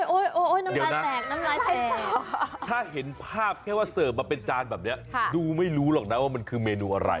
อุ้ยในบรรยาถ้าเห็นภาพให้ว่าเสริมมาเป็นจานแบบนี้ดูไม่รู้หรอกนะว่ามันคือเมนูอะไร